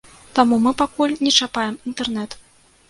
Таму мы пакуль не чапаем інтэрнэт.